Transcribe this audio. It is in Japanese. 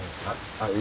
はい。